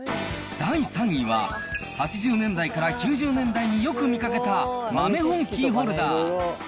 第３位は、８０年代から９０年代によく見かけた、豆本キーホルダー。